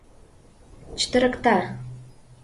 Чытырыкта...